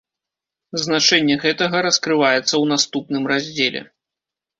Значэнне гэтага раскрываецца ў наступным раздзеле.